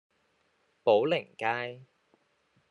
寶靈街